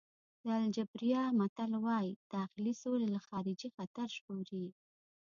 د الجېریا متل وایي داخلي سوله له خارجي خطر ژغوري.